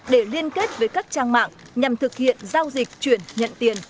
để liên kết với các trang mạng nhằm thực hiện giao dịch chuyển nhận tiền